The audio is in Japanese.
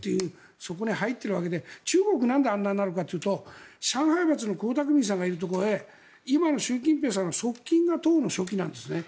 そこに入っているわけで中国がなんでああかというと上海閥の江沢民さんがいるところへ今の習近平さんが側近が党の書記なんですね。